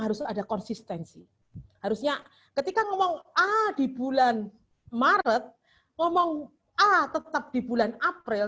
harus ada konsistensi harusnya ketika ngomong ah di bulan maret ngomong ah tetap di bulan april